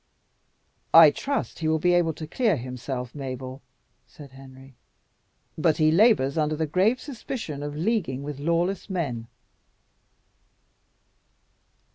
"I trust he will be able to clear himself, Mabel," said Henry, "but he labours under the grave suspicion of leaguing with lawless men."